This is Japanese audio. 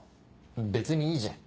別にいいじゃん。